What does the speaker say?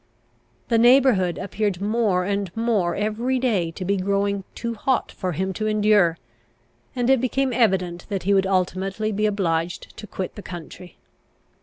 The neighbourhood appeared more and more every day to be growing too hot for him to endure, and it became evident that he would ultimately be obliged to quit the country.